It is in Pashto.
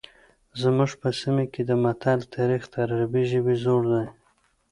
زموږ په سیمه کې د متل تاریخ تر عربي ژبې زوړ دی